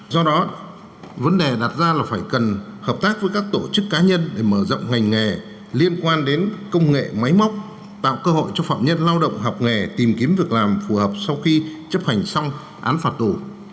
do đó vấn đề đặt ra là phải cần hợp tác với các tổ chức cá nhân để mở rộng ngành nghề liên quan đến công nghệ máy móc tạo cơ hội cho phạm nhân lao động học nghề tìm kiếm việc làm phù hợp sau khi chấp hành xong án phạt tù